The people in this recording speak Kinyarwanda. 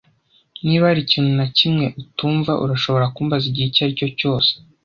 Niba hari ikintu na kimwe utumva, urashobora kumbaza igihe icyo aricyo cyose.